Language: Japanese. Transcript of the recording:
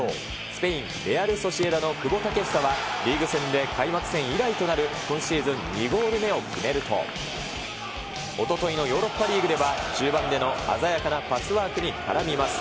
スペイン・レアル・ソシエダの久保建英はリーグ戦で開幕戦以来となる今シーズン、２ゴール目を決めると、おとといのヨーロッパリーグでは、中盤での鮮やかなパスワークに絡みます。